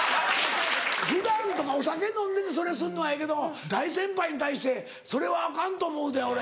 普段とかお酒飲んでてそれすんのはええけども大先輩に対してそれはアカンと思うで俺。